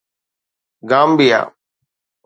گامبيا